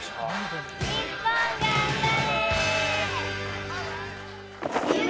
日本頑張れ！